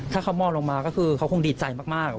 ถ้าเขามองลงมาก็คือเขาคงดีใจมาก